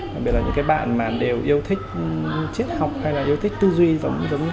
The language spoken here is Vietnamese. tại vì là những cái bạn mà đều yêu thích triết học hay là yêu thích tư duy giống như các con